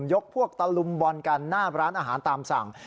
ยกพวกตะลุมบอลกันหน้าร้านอาหารตามสั่ง